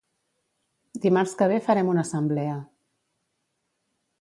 Dimarts que ve farem una assemblea.